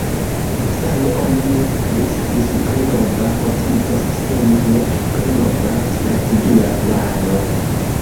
Same oni ne decidis pri nova kotiza sistemo, nek pri nova strategia plano.